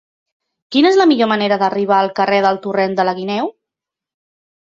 Quina és la millor manera d'arribar al carrer del Torrent de la Guineu?